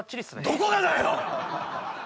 どこがだよ！